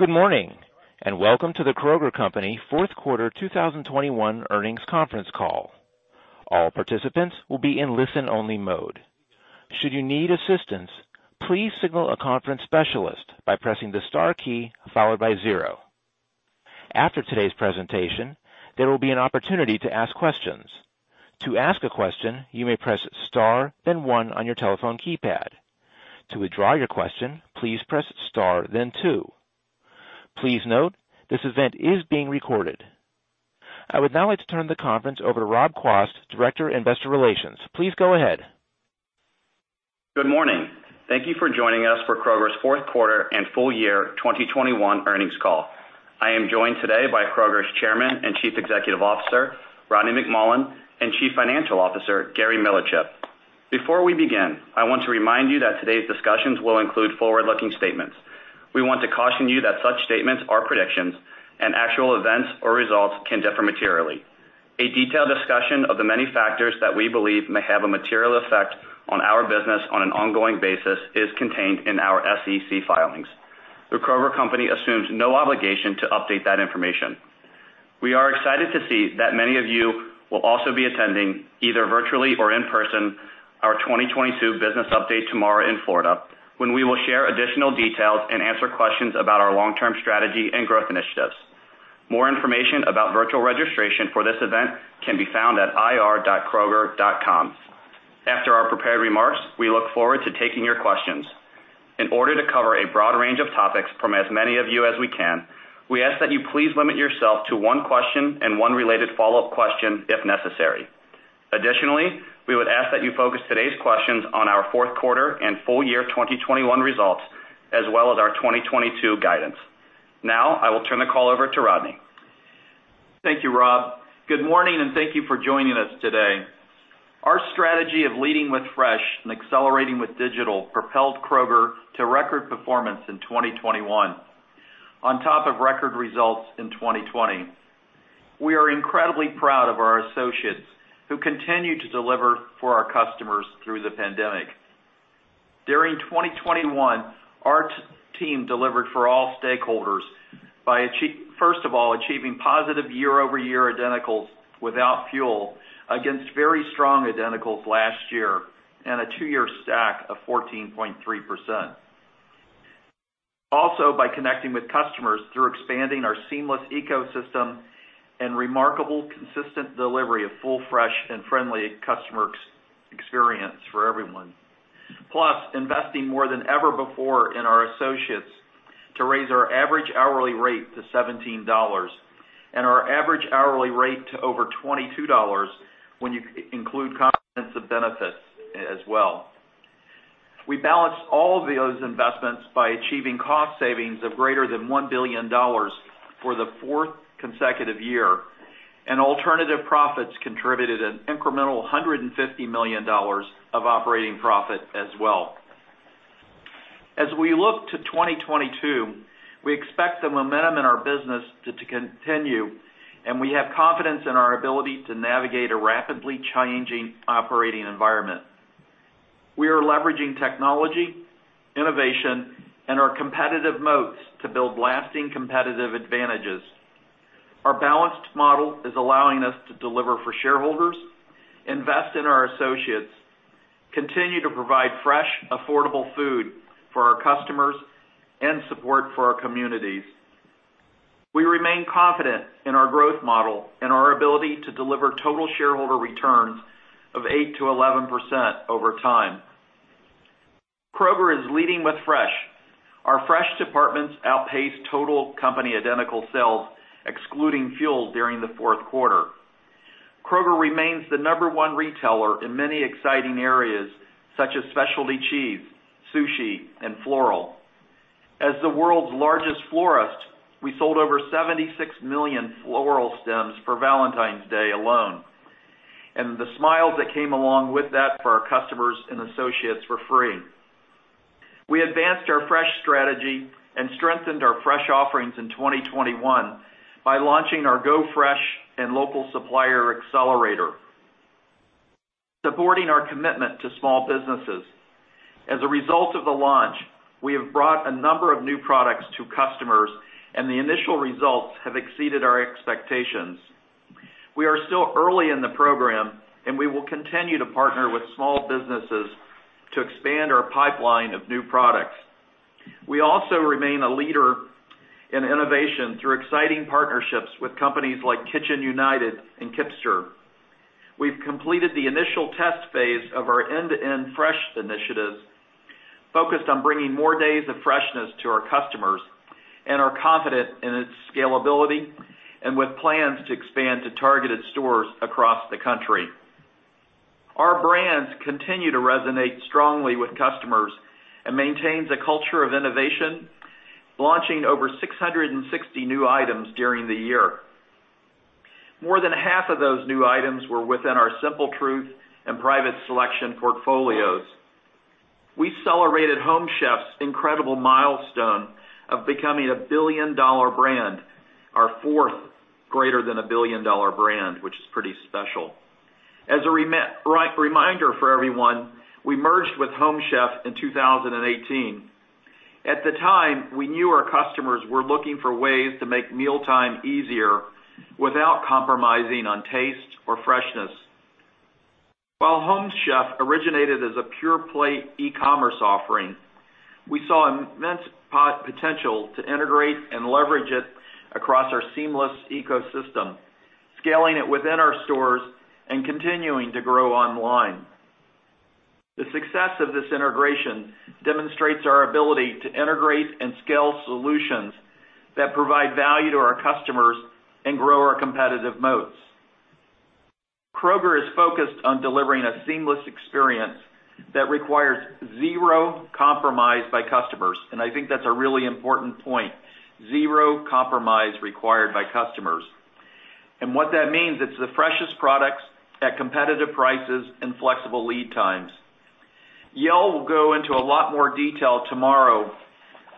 Good morning, and welcome to the Kroger Company fourth quarter 2021 earnings conference call. All participants will be in listen-only mode. Should you need assistance, please signal a conference specialist by pressing the star key followed by zero. After today's presentation, there will be an opportunity to ask questions. To ask a question, you may press star then one on your telephone keypad. To withdraw your question, please press star then two. Please note, this event is being recorded. I would now like to turn the conference over to Rob Quast, Director, Investor Relations. Please go ahead. Good morning. Thank you for joining us for Kroger's fourth quarter and full year 2021 earnings call. I am joined today by Kroger's Chairman and Chief Executive Officer, Rodney McMullen, and Chief Financial Officer, Gary Millerchip. Before we begin, I want to remind you that today's discussions will include forward-looking statements. We want to caution you that such statements are predictions and actual events or results can differ materially. A detailed discussion of the many factors that we believe may have a material effect on our business on an ongoing basis is contained in our SEC filings. The Kroger Company assumes no obligation to update that information. We are excited to see that many of you will also be attending, either virtually or in person, our 2022 business update tomorrow in Florida, when we will share additional details and answer questions about our long-term strategy and growth initiatives. More information about virtual registration for this event can be found at ir.kroger.com. After our prepared remarks, we look forward to taking your questions. In order to cover a broad range of topics from as many of you as we can, we ask that you please limit yourself to one question and one related follow-up question if necessary. Additionally, we would ask that you focus today's questions on our fourth quarter and full year 2021 results, as well as our 2022 guidance. Now I will turn the call over to Rodney. Thank you, Rob. Good morning, and thank you for joining us today. Our strategy of leading with Fresh and accelerating with digital propelled Kroger to record performance in 2021 on top of record results in 2020. We are incredibly proud of our associates who continue to deliver for our customers through the pandemic. During 2021, our team delivered for all stakeholders by first of all, achieving positive year-over-year identicals without fuel against very strong identicals last year and a two-year stack of 14.3%. Also, by connecting with customers through expanding our seamless ecosystem and remarkably consistent delivery of full, fresh, and friendly customer experience for everyone. Plus, investing more than ever before in our associates to raise our average hourly rate to $17 and our average hourly rate to over $22 when you include comprehensive benefits as well. We balanced all of those investments by achieving cost savings of greater than $1 billion for the fourth consecutive year, and alternative profits contributed an incremental $150 million of operating profit as well. As we look to 2022, we expect the momentum in our business to continue, and we have confidence in our ability to navigate a rapidly changing operating environment. We are leveraging technology, innovation, and our competitive moats to build lasting competitive advantages. Our balanced model is allowing us to deliver for shareholders, invest in our associates, continue to provide fresh, affordable food for our customers and support for our communities. We remain confident in our growth model and our ability to deliver total shareholder returns of 8%-11% over time. Kroger is leading with Fresh. Our Fresh departments outpaced total company identical sales excluding fuel during the fourth quarter. Kroger remains the number one retailer in many exciting areas such as specialty cheese, sushi, and floral. As the world's largest florist, we sold over 76 million floral stems for Valentine's Day alone, and the smiles that came along with that for our customers and associates were free. We advanced our Fresh strategy and strengthened our Fresh offerings in 2021 by launching our Go Fresh & Local Supplier Accelerator, supporting our commitment to small businesses. As a result of the launch, we have brought a number of new products to customers, and the initial results have exceeded our expectations. We are still early in the program, and we will continue to partner with small businesses to expand our pipeline of new products. We also remain a leader in innovation through exciting partnerships with companies like Kitchen United and Kipster. We've completed the initial test phase of our end-to-end Fresh initiatives focused on bringing more days of freshness to our customers and are confident in its scalability and with plans to expand to targeted stores across the country. Our Brands continue to resonate strongly with customers and maintains a culture of innovation, launching over 660 new items during the year. More than half of those new items were within our Simple Truth and Private Selection portfolios. We celebrated Home Chef's incredible milestone of becoming $1 billion brand, our fourth greater than $1 billion brand, which is pretty special. As a reminder for everyone, we merged with Home Chef in 2018. At the time, we knew our customers were looking for ways to make mealtime easier without compromising on taste or freshness. While Home Chef originated as a pure play e-commerce offering, we saw immense potential to integrate and leverage it across our seamless ecosystem, scaling it within our stores and continuing to grow online. The success of this integration demonstrates our ability to integrate and scale solutions that provide value to our customers and grow our competitive moats. Kroger is focused on delivering a seamless experience that requires zero compromise by customers, and I think that's a really important point, zero compromise required by customers. What that means, it's the freshest products at competitive prices and flexible lead times. Yael will go into a lot more detail tomorrow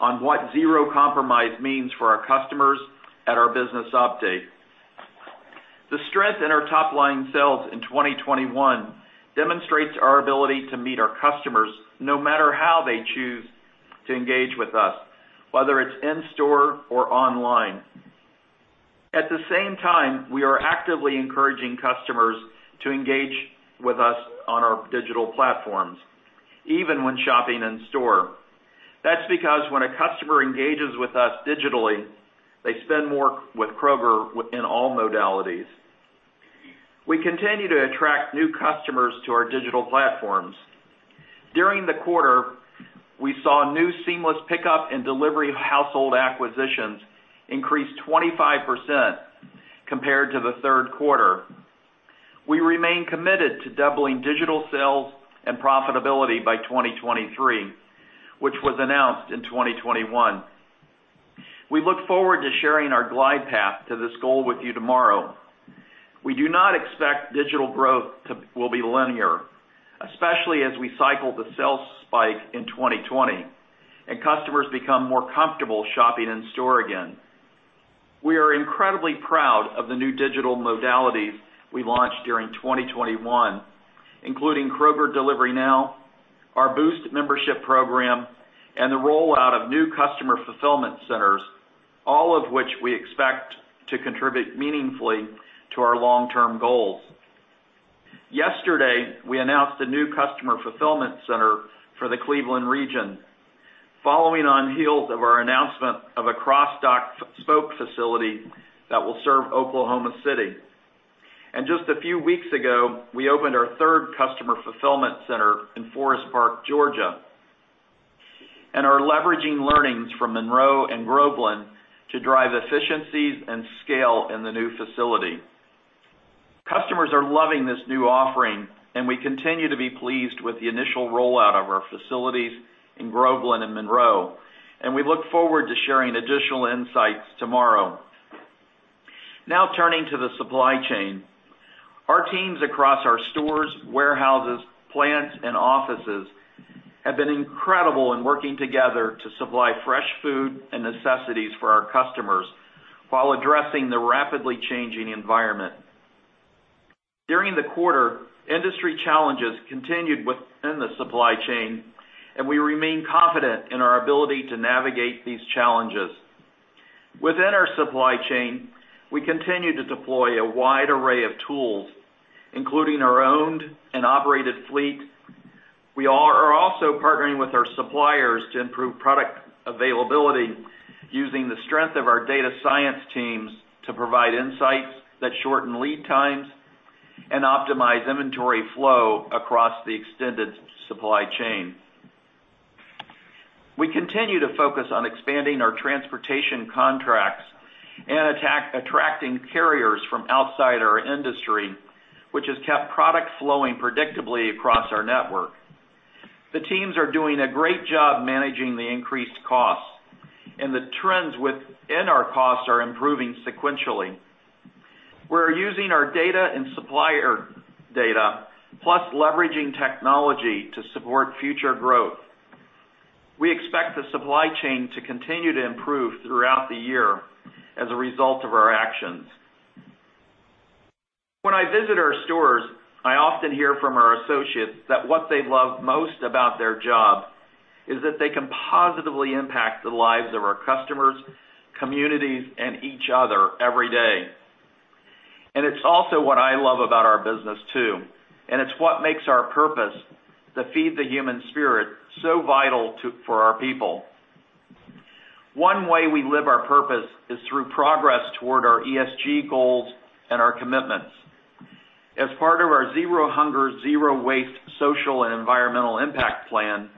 on what zero compromise means for our customers at our business update. The strength in our top line sales in 2021 demonstrates our ability to meet our customers no matter how they choose to engage with us, whether it's in store or online. At the same time, we are actively encouraging customers to engage with us on our digital platforms, even when shopping in store. That's because when a customer engages with us digitally, they spend more with Kroger in all modalities. We continue to attract new customers to our digital platforms. During the quarter, we saw new seamless pickup and delivery household acquisitions increase 25% compared to the third quarter. We remain committed to doubling digital sales and profitability by 2023, which was announced in 2021. We look forward to sharing our glide path to this goal with you tomorrow. We do not expect digital growth will be linear, especially as we cycle the sales spike in 2020, and customers become more comfortable shopping in store again. We are incredibly proud of the new digital modalities we launched during 2021, including Kroger Delivery Now, our Boost Membership Program, and the rollout of new customer fulfillment centers, all of which we expect to contribute meaningfully to our long-term goals. Yesterday, we announced a new customer fulfillment center for the Cleveland region, following on heels of our announcement of a cross-dock spoke facility that will serve Oklahoma City. Just a few weeks ago, we opened our third customer fulfillment center in Forest Park, Georgia, and are leveraging learnings from Monroe and Groveland to drive efficiencies and scale in the new facility. Customers are loving this new offering and we continue to be pleased with the initial rollout of our facilities in Groveland and Monroe, and we look forward to sharing additional insights tomorrow. Now turning to the supply chain. Our teams across our stores, warehouses, plants, and offices have been incredible in working together to supply fresh food and necessities for our customers while addressing the rapidly changing environment. During the quarter, industry challenges continued within the supply chain, and we remain confident in our ability to navigate these challenges. Within our supply chain, we continue to deploy a wide array of tools, including our owned and operated fleet. We are also partnering with our suppliers to improve product availability using the strength of our data science teams to provide insights that shorten lead times and optimize inventory flow across the extended supply chain. We continue to focus on expanding our transportation contracts and attracting carriers from outside our industry, which has kept product flowing predictably across our network. The teams are doing a great job managing the increased costs, and the trends within our costs are improving sequentially. We're using our data and supplier data, plus leveraging technology to support future growth. We expect the supply chain to continue to improve throughout the year as a result of our actions. When I visit our stores, I often hear from our associates that what they love most about their job is that they can positively impact the lives of our customers, communities, and each other every day. It's also what I love about our business too, and it's what makes our purpose to feed the human spirit so vital for our people. One way we live our purpose is through progress toward our ESG goals and our commitments. As part of our Zero Hunger Zero Waste social and environmental impact plan,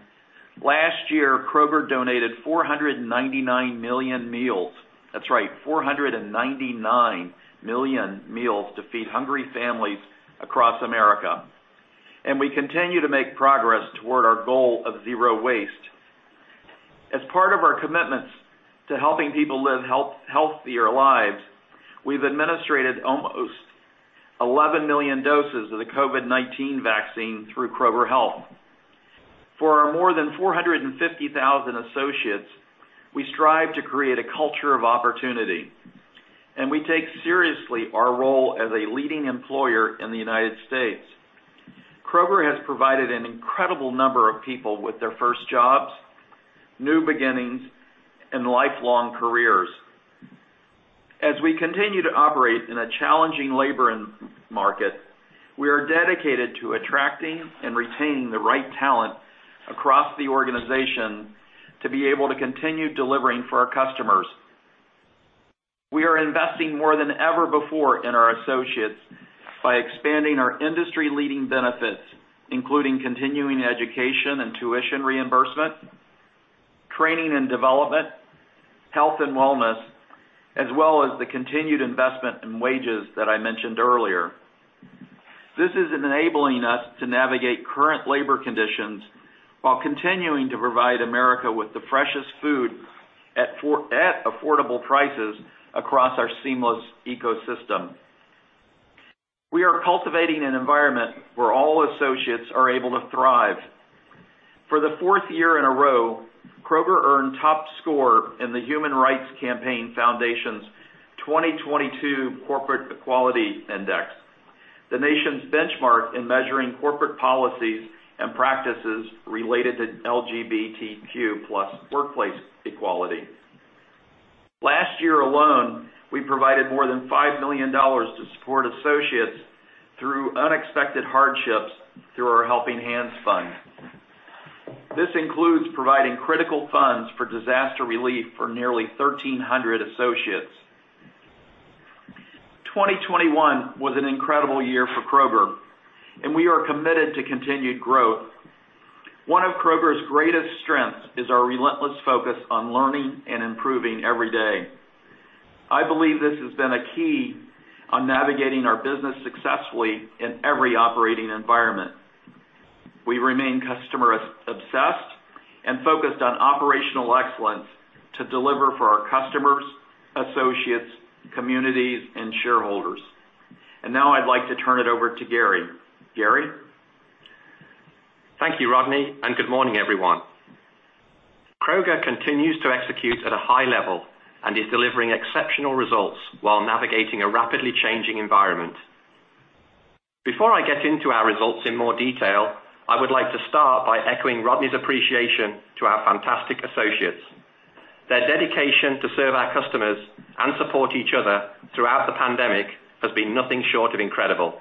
last year, Kroger donated 499 million meals. That's right, 499 million meals to feed hungry families across America. We continue to make progress toward our goal of zero waste. As part of our commitments to helping people live healthier lives, we've administered almost 11 million doses of the COVID-19 vaccine through Kroger Health. For our more than 450,000 associates, we strive to create a culture of opportunity, and we take seriously our role as a leading employer in the United States. Kroger has provided an incredible number of people with their first jobs, new beginnings, and lifelong careers. As we continue to operate in a challenging labor market, we are dedicated to attracting and retaining the right talent across the organization to be able to continue delivering for our customers. We are investing more than ever before in our associates by expanding our industry-leading benefits, including continuing education and tuition reimbursement, training and development, health and wellness, as well as the continued investment in wages that I mentioned earlier. This is enabling us to navigate current labor conditions while continuing to provide America with the freshest food at affordable prices across our seamless ecosystem. We are cultivating an environment where all associates are able to thrive. For the fourth year in a row, Kroger earned top score in the Human Rights Campaign Foundation's 2022 Corporate Equality Index, the nation's benchmark in measuring corporate policies and practices related to LGBTQ+ workplace equality. Last year alone, we provided more than $5 million to support associates through unexpected hardships through our Helping Hands fund. This includes providing critical funds for disaster relief for nearly 1,300 associates. 2021 was an incredible year for Kroger, and we are committed to continued growth. One of Kroger's greatest strengths is our relentless focus on learning and improving every day. I believe this has been a key to navigating our business successfully in every operating environment. We remain customer-obsessed and focused on operational excellence to deliver for our customers, associates, communities, and shareholders. Now I'd like to turn it over to Gary. Gary. Thank you, Rodney, and good morning, everyone. Kroger continues to execute at a high level and is delivering exceptional results while navigating a rapidly changing environment. Before I get into our results in more detail, I would like to start by echoing Rodney's appreciation to our fantastic associates. Their dedication to serve our customers and support each other throughout the pandemic has been nothing short of incredible.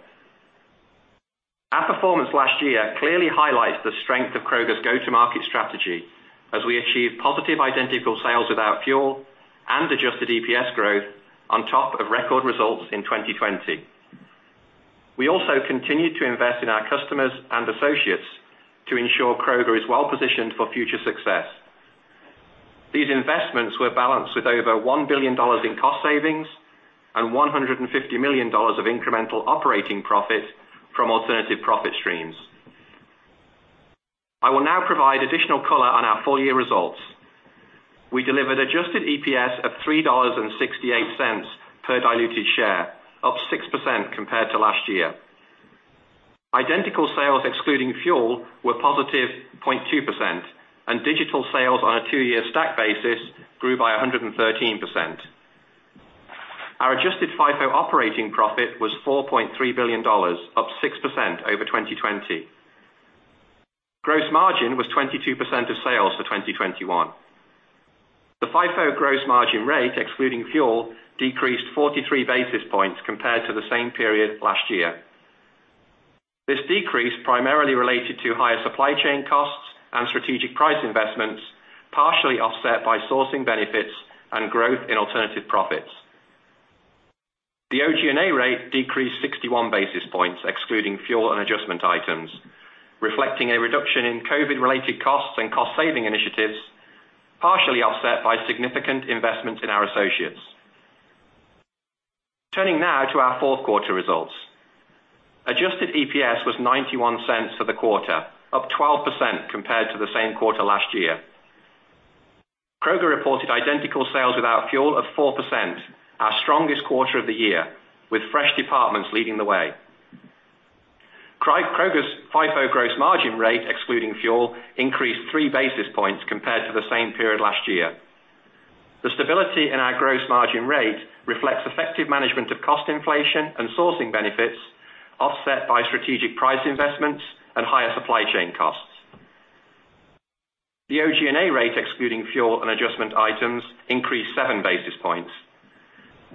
Our performance last year clearly highlights the strength of Kroger's go-to-market strategy as we achieve positive identical sales without fuel and adjusted EPS growth on top of record results in 2020. We also continued to invest in our customers and associates to ensure Kroger is well positioned for future success. These investments were balanced with over $1 billion in cost savings and $150 million of incremental operating profit from alternative profit streams. I will now provide additional color on our full year results. We delivered adjusted EPS of $3.68 per diluted share, up 6% compared to last year. Identical sales excluding fuel were positive 0.2%, and digital sales on a two-year stack basis grew by 113%. Our adjusted FIFO operating profit was $4.3 billion, up 6% over 2020. Gross margin was 22% of sales for 2021. The FIFO gross margin rate, excluding fuel, decreased 43 basis points compared to the same period last year. This decrease primarily related to higher supply chain costs and strategic price investments, partially offset by sourcing benefits and growth in alternative profits. The OG&A rate decreased 61 basis points, excluding fuel and adjustment items, reflecting a reduction in COVID-related costs and cost-saving initiatives, partially offset by significant investments in our associates. Turning now to our fourth quarter results. Adjusted EPS was $0.91 for the quarter, up 12% compared to the same quarter last year. Kroger reported identical sales without fuel of 4%, our strongest quarter of the year, with Fresh departments leading the way. Kroger's FIFO gross margin rate, excluding fuel, increased three basis points compared to the same period last year. The stability in our gross margin rate reflects effective management of cost inflation and sourcing benefits offset by strategic price investments and higher supply chain costs. The OG&A rate, excluding fuel and adjustment items, increased seven basis points.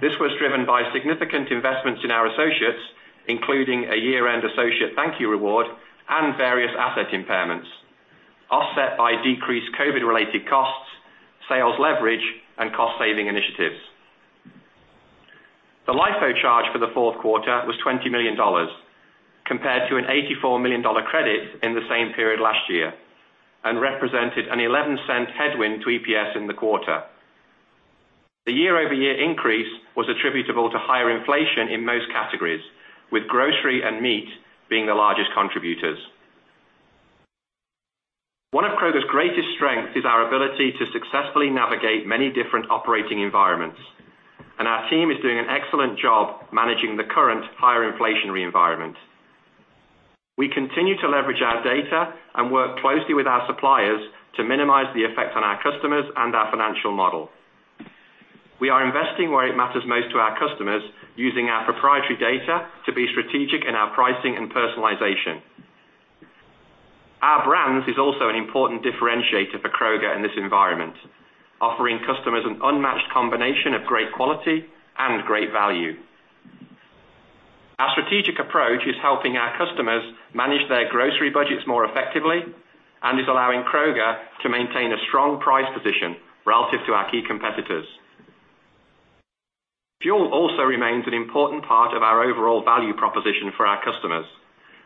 This was driven by significant investments in our associates, including a year-end associate thank you reward and various asset impairments, offset by decreased COVID-related costs, sales leverage, and cost-saving initiatives. The LIFO charge for the fourth quarter was $20 million compared to an $84 million credit in the same period last year and represented an 11-cent headwind to EPS in the quarter. The year-over-year increase was attributable to higher inflation in most categories, with grocery and meat being the largest contributors. One of Kroger's greatest strengths is our ability to successfully navigate many different operating environments. Our team is doing an excellent job managing the current higher inflationary environment. We continue to leverage our data and work closely with our suppliers to minimize the effect on our customers and our financial model. We are investing where it matters most to our customers, using our proprietary data to be strategic in our pricing and personalization. Our Brands is also an important differentiator for Kroger in this environment, offering customers an unmatched combination of great quality and great value. Our strategic approach is helping our customers manage their grocery budgets more effectively and is allowing Kroger to maintain a strong price position relative to our key competitors. Fuel also remains an important part of our overall value proposition for our customers,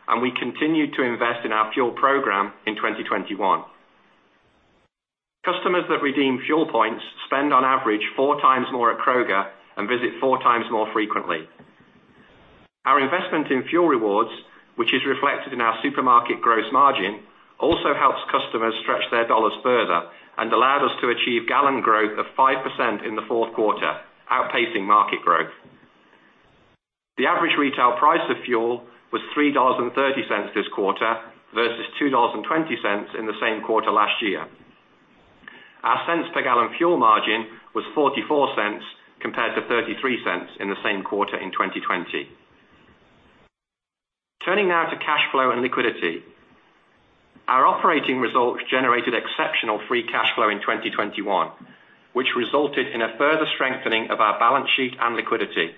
and we continue to invest in our fuel program in 2021. Customers that redeem fuel points spend on average four times more at Kroger and visit four times more frequently. Our investment in fuel rewards, which is reflected in our supermarket gross margin, also helps customers stretch their dollars further and allowed us to achieve gallon growth of 5% in the fourth quarter, outpacing market growth. The average retail price of fuel was $3.30 this quarter versus $2.20 in the same quarter last year. Our cents per gallon fuel margin was $0.44 compared to $0.33 in the same quarter in 2020. Turning now to cash flow and liquidity. Our operating results generated exceptional free cash flow in 2021, which resulted in a further strengthening of our balance sheet and liquidity.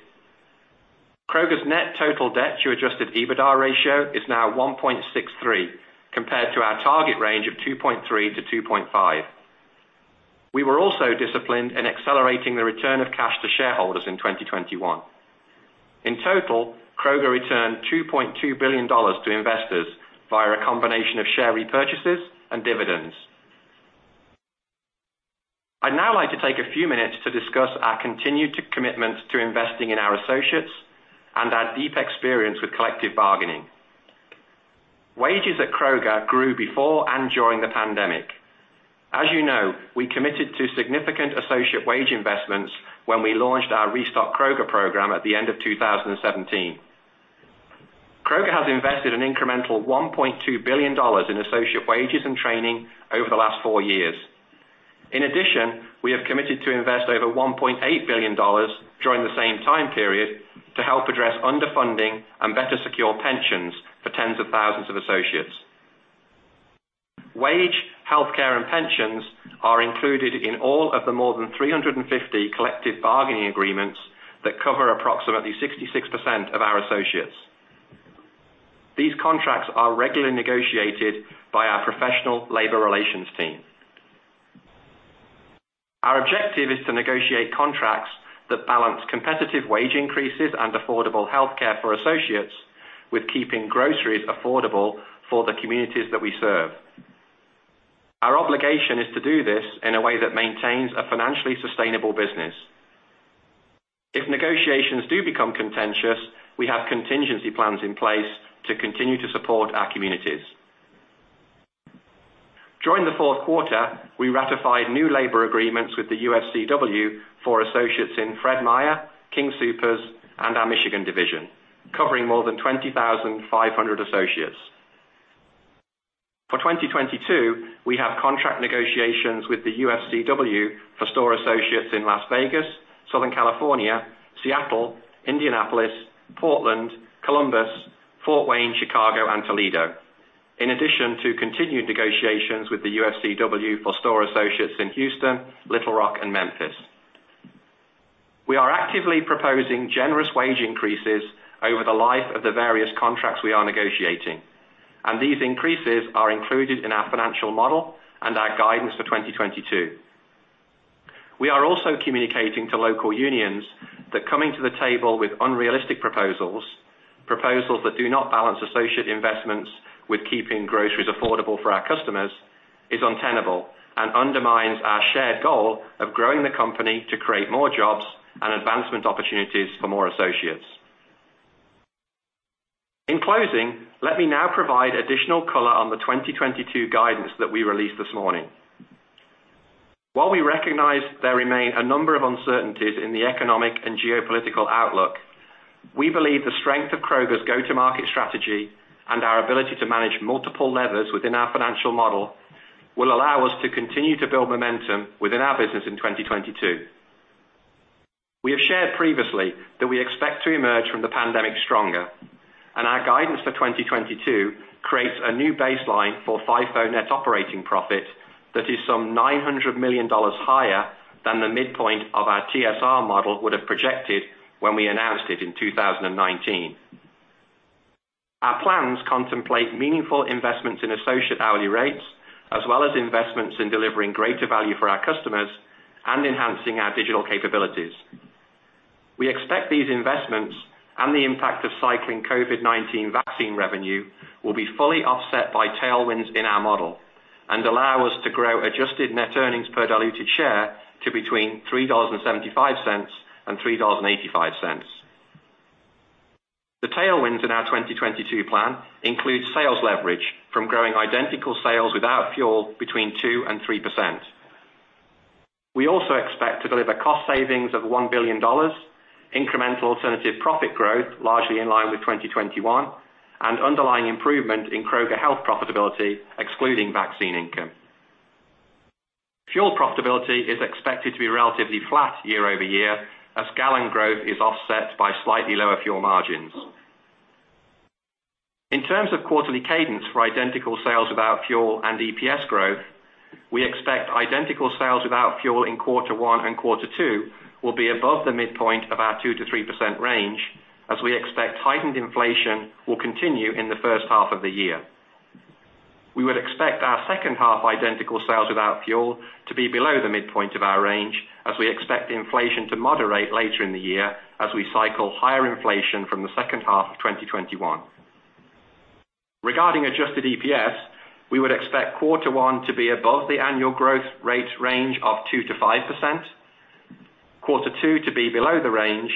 Kroger's net total debt to adjusted EBITDA ratio is now 1.63 compared to our target range of 2.3-2.5. We were also disciplined in accelerating the return of cash to shareholders in 2021. In total, Kroger returned $2.2 billion to investors via a combination of share repurchases and dividends. I'd now like to take a few minutes to discuss our continued commitment to investing in our associates and our deep experience with collective bargaining. Wages at Kroger grew before and during the pandemic. As you know, we committed to significant associate wage investments when we launched our Restock Kroger program at the end of 2017. Kroger has invested an incremental $1.2 billion in associate wages and training over the last four years. In addition, we have committed to invest over $1.8 billion during the same time period to help address underfunding and better secure pensions for tens of thousands of associates. Wage, healthcare, and pensions are included in all of the more than 350 collective bargaining agreements that cover approximately 66% of our associates. These contracts are regularly negotiated by our professional labor relations team. Our objective is to negotiate contracts that balance competitive wage increases and affordable healthcare for associates with keeping groceries affordable for the communities that we serve. Our obligation is to do this in a way that maintains a financially sustainable business. If negotiations do become contentious, we have contingency plans in place to continue to support our communities. During the fourth quarter, we ratified new labor agreements with the UFCW for associates in Fred Meyer, King Soopers, and our Michigan division, covering more than 25,000 associates. For 2022, we have contract negotiations with the UFCW for store associates in Las Vegas, Southern California, Seattle, Indianapolis, Portland, Columbus, Fort Wayne, Chicago, and Toledo, in addition to continued negotiations with the UFCW for store associates in Houston, Little Rock, and Memphis. We are actively proposing generous wage increases over the life of the various contracts we are negotiating, and these increases are included in our financial model and our guidance for 2022. We are also communicating to local unions that coming to the table with unrealistic proposals that do not balance associate investments with keeping groceries affordable for our customers, is untenable and undermines our shared goal of growing the company to create more jobs and advancement opportunities for more associates. In closing, let me now provide additional color on the 2022 guidance that we released this morning. While we recognize there remain a number of uncertainties in the economic and geopolitical outlook, we believe the strength of Kroger's go-to-market strategy and our ability to manage multiple levers within our financial model will allow us to continue to build momentum within our business in 2022. We have shared previously that we expect to emerge from the pandemic stronger, and our guidance for 2022 creates a new baseline for FIFO net operating profit that is some $900 million higher than the midpoint of our TSR model would have projected when we announced it in 2019. Our plans contemplate meaningful investments in associate hourly rates, as well as investments in delivering greater value for our customers and enhancing our digital capabilities. We expect these investments and the impact of cycling COVID-19 vaccine revenue will be fully offset by tailwinds in our model and allow us to grow adjusted net earnings per diluted share to between $3.75 and $3.89. Plan includes sales leverage from growing identical sales without fuel between 2% and 3%. We also expect to deliver cost savings of $1 billion, incremental alternative profit growth largely in line with 2021, and underlying improvement in Kroger Health profitability, excluding vaccine income. Fuel profitability is expected to be relatively flat year over year as gallon growth is offset by slightly lower fuel margins. In terms of quarterly cadence for identical sales without fuel and EPS growth, we expect identical sales without fuel in quarter one and quarter two will be above the midpoint of our 2%-3% range as we expect heightened inflation will continue in the first half of the year. We would expect our second half identical sales without fuel to be below the midpoint of our range as we expect inflation to moderate later in the year as we cycle higher inflation from the second half of 2021. Regarding adjusted EPS, we would expect quarter one to be above the annual growth rate range of 2%-5%, quarter two to be below the range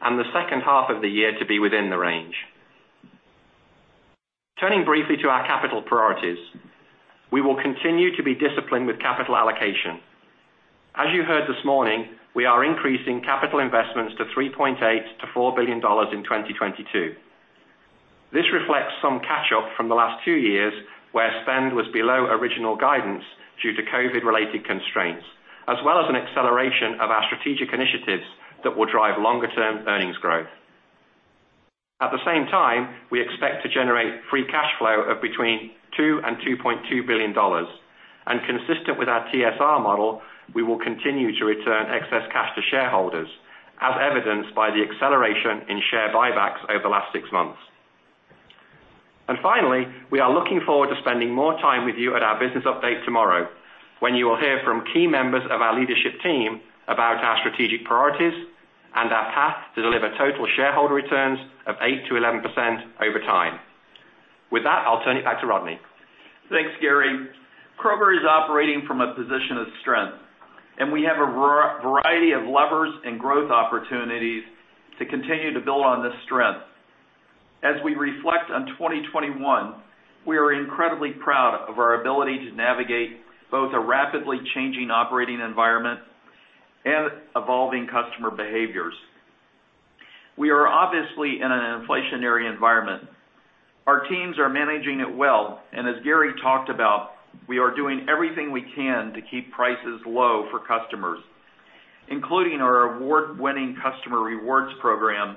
and the second half of the year to be within the range. Turning briefly to our capital priorities, we will continue to be disciplined with capital allocation. As you heard this morning, we are increasing capital investments to $3.8 billion-$4 billion in 2022. This reflects some catch up from the last two years, where spend was below original guidance due to COVID-related constraints, as well as an acceleration of our strategic initiatives that will drive longer term earnings growth. At the same time, we expect to generate free cash flow of between $2 billion and $2.2 billion. Consistent with our TSR model, we will continue to return excess cash to shareholders, as evidenced by the acceleration in share buybacks over the last six months. Finally, we are looking forward to spending more time with you at our business update tomorrow when you will hear from key members of our leadership team about our strategic priorities and our path to deliver total shareholder returns of 8%-11% over time. With that, I'll turn it back to Rodney. Thanks, Gary. Kroger is operating from a position of strength, and we have a variety of levers and growth opportunities to continue to build on this strength. As we reflect on 2021, we are incredibly proud of our ability to navigate both a rapidly changing operating environment and evolving customer behaviors. We are obviously in an inflationary environment. Our teams are managing it well, and as Gary talked about, we are doing everything we can to keep prices low for customers, including our award-winning customer rewards program,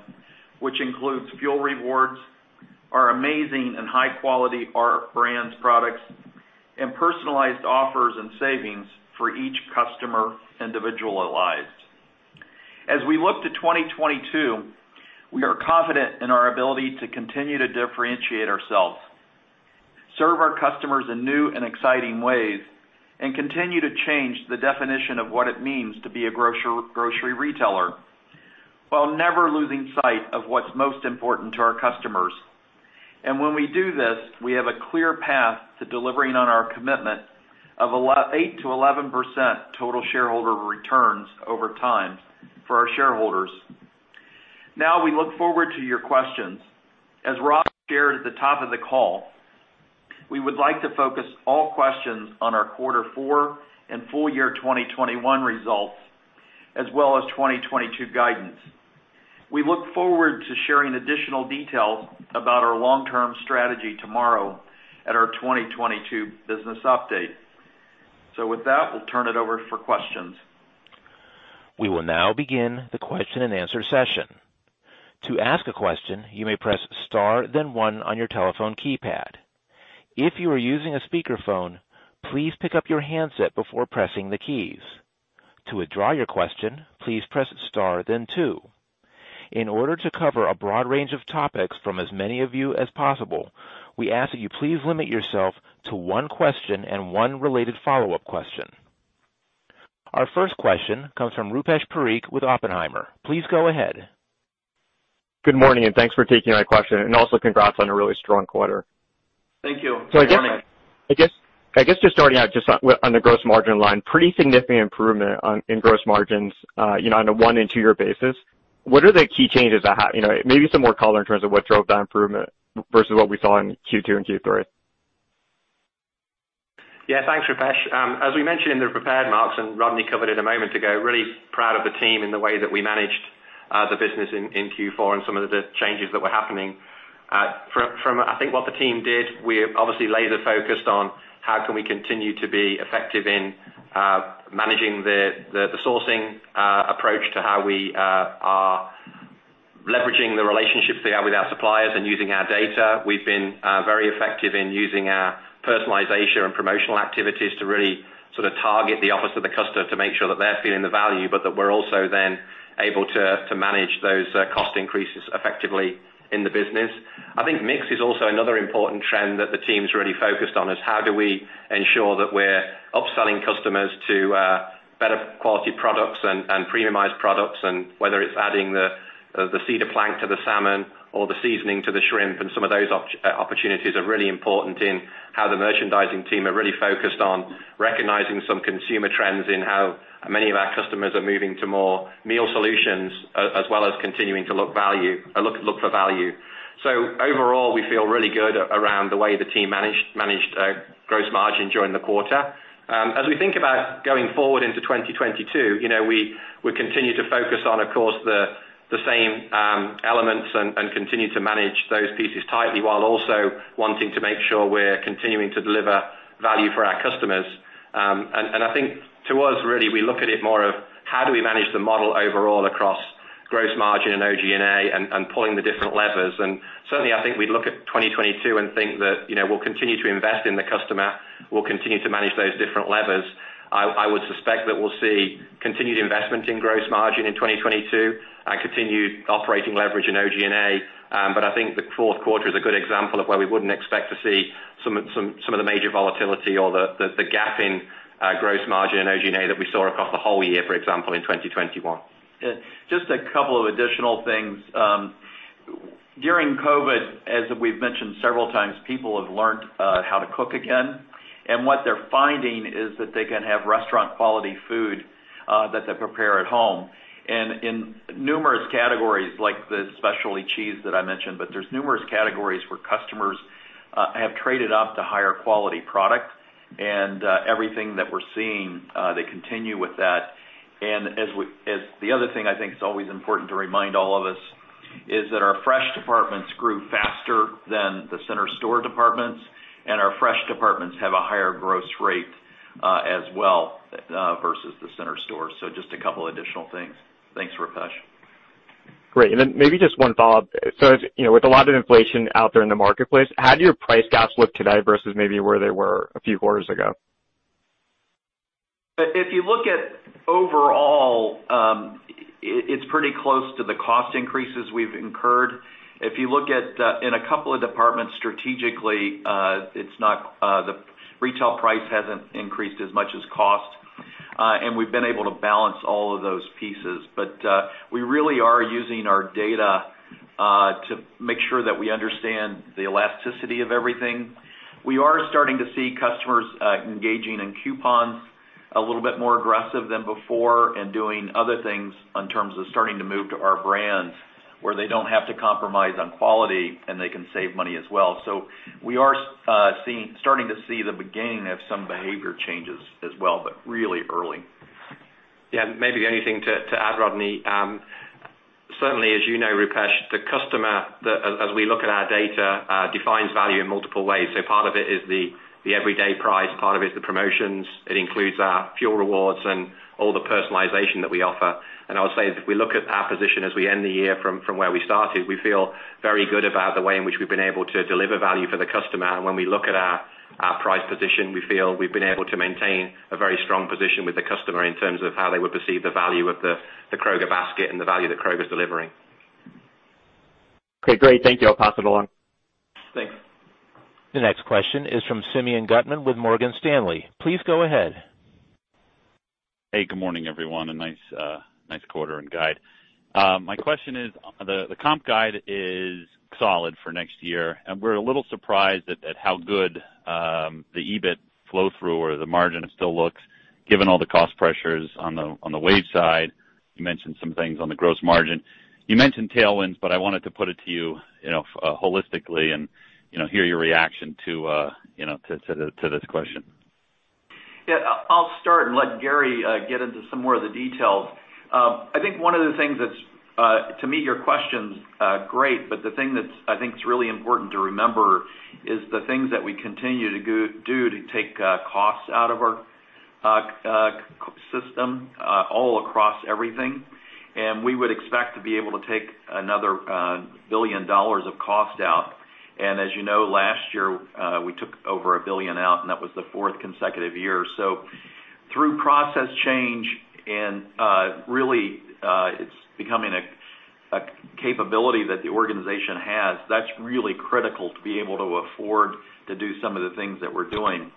which includes fuel rewards, our amazing and high quality Our Brands products, and personalized offers and savings for each customer individualized. As we look to 2022, we are confident in our ability to continue to differentiate ourselves, serve our customers in new and exciting ways, and continue to change the definition of what it means to be a grocery retailer while never losing sight of what's most important to our customers. When we do this, we have a clear path to delivering on our commitment of 8%-11% total shareholder returns over time for our shareholders. Now, we look forward to your questions. As Rob shared at the top of the call, we would like to focus all questions on our quarter four and full year 2021 results as well as 2022 guidance. We look forward to sharing additional details about our long-term strategy tomorrow at our 2022 business update. With that, we'll turn it over for questions. We will now begin the question and answer session. To ask a question, you may press star then one on your telephone keypad. If you are using a speakerphone, please pick up your handset before pressing the keys. To withdraw your question, please press star then two. In order to cover a broad range of topics from as many of you as possible, we ask that you please limit yourself to one question and one related follow-up question. Our first question comes from Rupesh Parikh with Oppenheimer. Please go ahead. Good morning, and thanks for taking my question and also congrats on a really strong quarter. Thank you. Good morning. I guess just starting out just on the gross margin line, pretty significant improvement in gross margins, you know, on a one and two year basis. What are the key changes, you know, maybe some more color in terms of what drove that improvement versus what we saw in Q2 and Q3? Yeah. Thanks, Rupesh. As we mentioned in the prepared remarks and Rodney covered it a moment ago, really proud of the team in the way that we managed the business in Q4 and some of the changes that were happening. From I think what the team did, we're obviously laser focused on how can we continue to be effective in managing the sourcing approach to how we are leveraging the relationships we have with our suppliers and using our data. We've been very effective in using our personalization and promotional activities to really sort of target the offers to the customer to make sure that they're feeling the value, but that we're also then able to manage those cost increases effectively in the business. I think mix is also another important trend that the team's really focused on, is how do we ensure that we're upselling customers to better quality products and premiumized products, and whether it's adding the cedar plank to the salmon or the seasoning to the shrimp and some of those opportunities are really important in how the merchandising team are really focused on recognizing some consumer trends in how many of our customers are moving to more meal solutions as well as continuing to look for value. So overall, we feel really good around the way the team managed gross margin during the quarter. As we think about going forward into 2022, you know, we continue to focus on, of course, the same elements and continue to manage those pieces tightly while also wanting to make sure we're continuing to deliver value for our customers. I think to us, really, we look at it more of how do we manage the model overall across gross margin and OG&A and pulling the different levers. Certainly, I think we'd look at 2022 and think that, you know, we'll continue to invest in the customer. We'll continue to manage those different levers. I would suspect that we'll see continued investment in gross margin in 2022 and continued operating leverage in OG&A. I think the fourth quarter is a good example of where we wouldn't expect to see some of the major volatility or the gap in gross margin in OG&A that we saw across the whole year, for example, in 2021. Just a couple of additional things. During COVID, as we've mentioned several times, people have learned how to cook again. What they're finding is that they can have restaurant quality food that they prepare at home. In numerous categories like the specialty cheese that I mentioned, but there's numerous categories where customers have traded up to higher quality product and everything that we're seeing they continue with that. As the other thing I think is always important to remind all of us is that our Fresh departments grew faster than the center store departments, and our Fresh departments have a higher gross rate as well versus the center store. Just a couple additional things. Thanks, Rupesh. Great. Maybe just one follow-up. You know, with a lot of inflation out there in the marketplace, how do your price gaps look today versus maybe where they were a few quarters ago? If you look at overall, it's pretty close to the cost increases we've incurred. If you look at in a couple of departments strategically, the retail price hasn't increased as much as cost, and we've been able to balance all of those pieces. We really are using our data to make sure that we understand the elasticity of everything. We are starting to see customers engaging in coupons a little bit more aggressive than before and doing other things in terms of starting to move to Our Brands where they don't have to compromise on quality and they can save money as well. We are starting to see the beginning of some behavior changes as well, but really early. Yeah. Maybe anything to add, Rodney. Certainly as you know, Rupesh, the customer that as we look at our data defines value in multiple ways. Part of it is the everyday price, part of it is the promotions. It includes our fuel rewards and all the personalization that we offer. I would say if we look at our position as we end the year from where we started, we feel very good about the way in which we've been able to deliver value for the customer. When we look at our price position, we feel we've been able to maintain a very strong position with the customer in terms of how they would perceive the value of the Kroger basket and the value that Kroger is delivering. Okay, great. Thank you. I'll pass it along. Thanks. The next question is from Simeon Gutman with Morgan Stanley. Please go ahead. Hey, good morning, everyone, and nice quarter and guide. My question is the comp guide is solid for next year, and we're a little surprised at how good the EBIT flow through or the margin still looks given all the cost pressures on the wage side. You mentioned some things on the gross margin. You mentioned tailwinds, but I wanted to put it to you know, holistically and, you know, hear your reaction to this question. Yeah. I'll start and let Gary get into some more of the details. I think one of the things that's to me your question's great, but the thing that's, I think, is really important to remember is the things that we continue to do to take costs out of our system all across everything. We would expect to be able to take another $1 billion of cost out. As you know, last year we took over $1 billion out, and that was the fourth consecutive year. Through process change and really it's becoming a capability that the organization has, that's really critical to be able to afford to do some of the things that we're doing.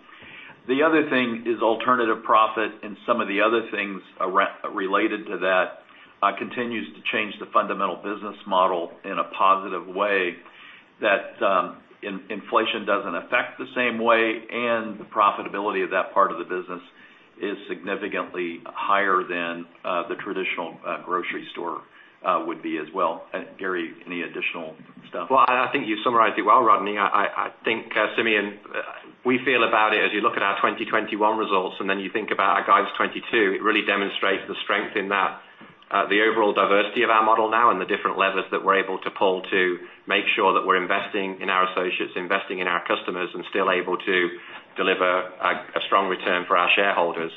The other thing is alternative profit and some of the other things related to that continues to change the fundamental business model in a positive way that inflation doesn't affect the same way, and the profitability of that part of the business is significantly higher than the traditional grocery store would be as well. Gary, any additional stuff? Well, I think you summarized it well, Rodney. I think, Simeon, we feel about it as you look at our 2021 results and then you think about our guides 2022, it really demonstrates the strength in that, the overall diversity of our model now and the different levers that we're able to pull to make sure that we're investing in our associates, investing in our customers, and still able to deliver a strong return for our shareholders.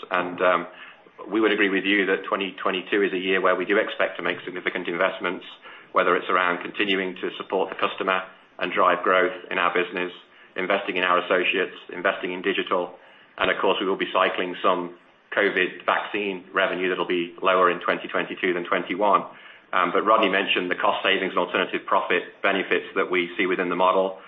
We would agree with you that 2022 is a year where we do expect to make significant investments, whether it's around continuing to support the customer and drive growth in our business, investing in our associates, investing in digital, and of course, we will be cycling some COVID vaccine revenue that'll be lower in 2022 than 2021. Rodney mentioned the cost savings and alternative profit benefits that we see within the model.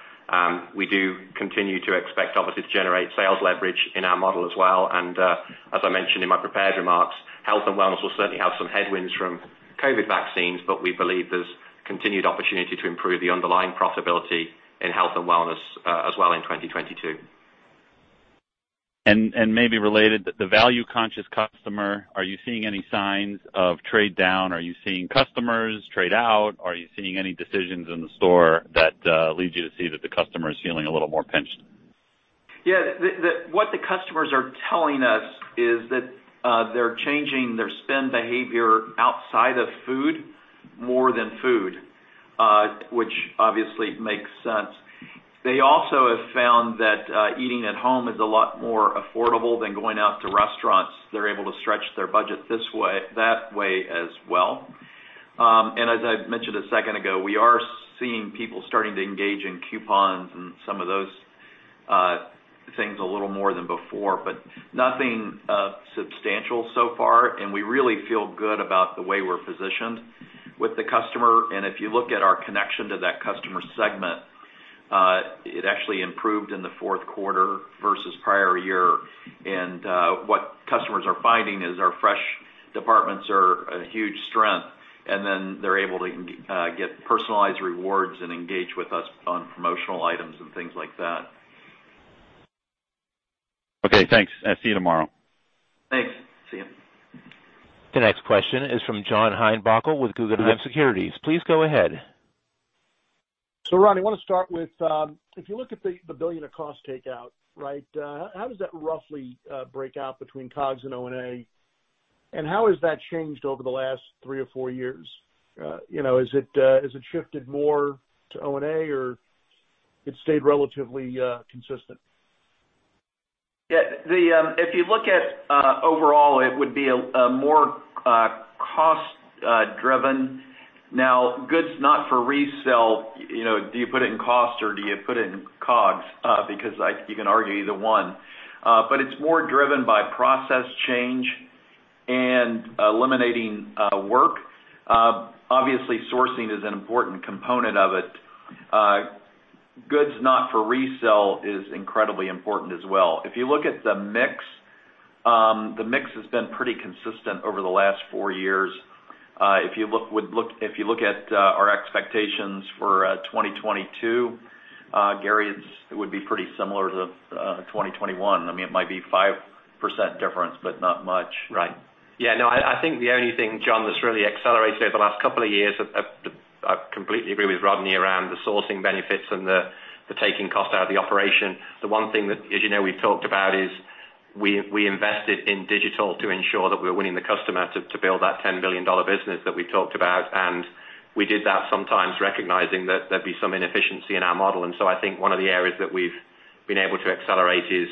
We do continue to expect, obviously, to generate sales leverage in our model as well. As I mentioned in my prepared remarks, health and wellness will certainly have some headwinds from COVID vaccines, but we believe there's continued opportunity to improve the underlying profitability in health and wellness as well in 2022. Maybe related, the value-conscious customer, are you seeing any signs of trade down? Are you seeing customers trade out? Are you seeing any decisions in the store that lead you to see that the customer is feeling a little more pinched? Yeah. What the customers are telling us is that they're changing their spend behavior outside of food more than food, which obviously makes sense. They also have found that eating at home is a lot more affordable than going out to restaurants. They're able to stretch their budget that way as well. As I mentioned a second ago, we are seeing people starting to engage in coupons and some of those things a little more than before, but nothing substantial so far, and we really feel good about the way we're positioned with the customer. If you look at our connection to that customer segment, it actually improved in the fourth quarter versus prior year. What customers are finding is our Fresh departments are a huge strength, and then they're able to get personalized rewards and engage with us on promotional items and things like that. Okay, thanks. I'll see you tomorrow. Thanks. See you. The next question is from John Heinbockel with Guggenheim Securities. Please go ahead. Rodney, I wanna start with if you look at the $1 billion of cost takeout, right, how does that roughly break out between COGS and OG&A, and how has that changed over the last 3 or 4 years? You know, has it shifted more to OG&A or has it stayed relatively consistent? Yeah. If you look at overall, it would be a more cost driven. Now goods not for resale, you know, do you put it in cost or do you put it in COGS? Because you can argue either one. But it's more driven by process change and eliminating work. Obviously sourcing is an important component of it. Goods not for resale is incredibly important as well. If you look at the mix, the mix has been pretty consistent over the last four years. If you look at our expectations for 2022, Gary, it would be pretty similar to 2021. I mean, it might be 5% difference, but not much. Right. Yeah, no, I think the only thing, John, that's really accelerated over the last couple of years. I completely agree with Rodney around the sourcing benefits and the taking cost out of the operation. The one thing that, as you know, we've talked about is we invested in digital to ensure that we're winning the customer to build that $10 billion business that we talked about. We did that sometimes recognizing that there'd be some inefficiency in our model. I think one of the areas that we've been able to accelerate is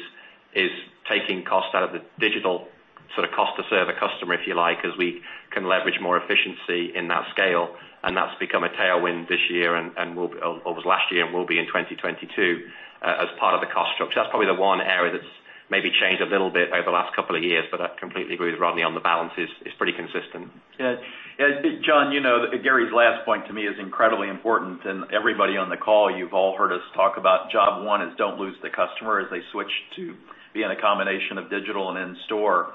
taking cost out of the digital sort of cost to serve a customer, if you like, as we can leverage more efficiency in that scale, and that's become a tailwind this year, or was last year, and will be in 2022, as part of the cost structure. That's probably the one area that's maybe changed a little bit over the last couple of years, but I completely agree with Rodney on the balance is pretty consistent. Yeah. Yeah, John, you know, Gary's last point to me is incredibly important. Everybody on the call, you've all heard us talk about job one is don't lose the customer as they switch to being a combination of digital and in store.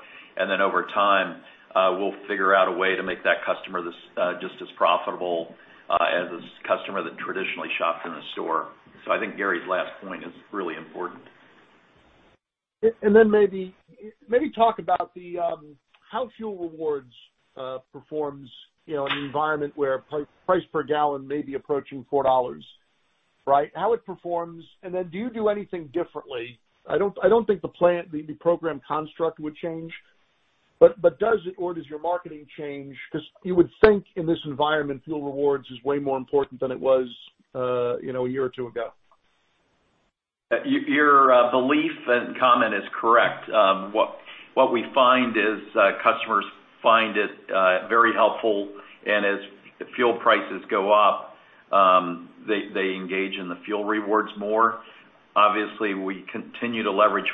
Over time, we'll figure out a way to make that customer this, just as profitable, as a customer that traditionally shopped in a store. I think Gary's last point is really important. Maybe talk about how fuel rewards performs, you know, in an environment where price per gallon may be approaching $4, right? How it performs, and then do you do anything differently? I don't think the plan, the program construct would change, but does it or does your marketing change? 'Cause you would think in this environment, fuel rewards is way more important than it was, you know, a year or two ago. Your belief and comment is correct. What we find is customers find it very helpful, and as fuel prices go up, they engage in the fuel rewards more. Obviously, we continue to leverage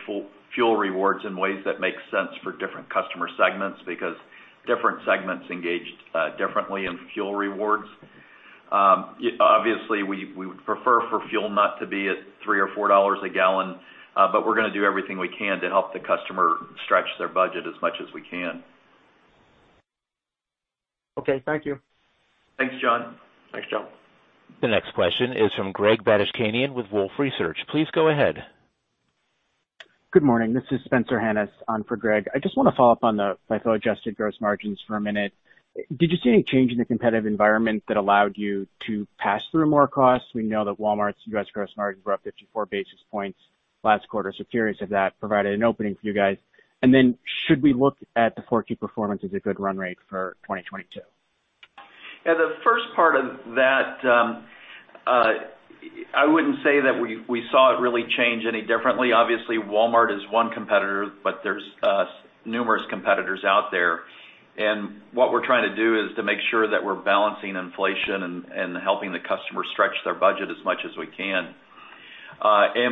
fuel rewards in ways that make sense for different customer segments because different segments engage differently in fuel rewards. Obviously we would prefer for fuel not to be at $3-$4 a gallon, but we're gonna do everything we can to help the customer stretch their budget as much as we can. Okay. Thank you. Thanks, John. Thanks, John. The next question is from Greg Badishkanian with Wolfe Research. Please go ahead. Good morning. This is Spencer Hanus on for Greg Badishkanian. I just wanna follow up on the Q4 adjusted gross margins for a minute. Did you see any change in the competitive environment that allowed you to pass through more costs? We know that Walmart's U.S. gross margins were up 54 basis points last quarter, so the theory is that provided an opening for you guys. Then should we look at the 4Q performance as a good run rate for 2022? Yeah, the first part of that, I wouldn't say that we saw it really change any differently. Obviously, Walmart is one competitor, but there's numerous competitors out there. What we're trying to do is to make sure that we're balancing inflation and helping the customer stretch their budget as much as we can.